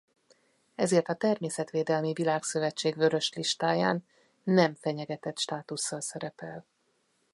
Ezért a Természetvédelmi Világszövetség Vörös listáján nem fenyegetett státusszal szerepel.